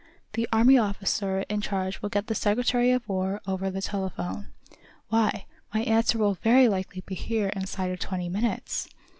The Army officer in charge will get the Secretary of War over the telephone. Why, my answer will very likely be here inside of twenty minutes!"